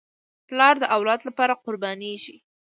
پلار د اولاد لپاره قربانېږي.